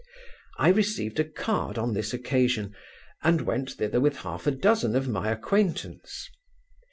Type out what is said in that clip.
I received a card on this occasion, and went thither with half a dozen of my acquaintance.